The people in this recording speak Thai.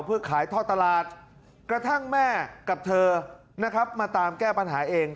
เพื่อขายท่อตลาดกระทั่งแม่กับเธอนะครับมาตามแก้ปัญหาเอง